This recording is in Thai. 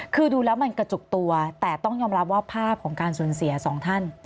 คือดูแล้วมันกระจุกตัวแต่ต้องยอมรับว่าภาพของการสูญเสียสองท่าน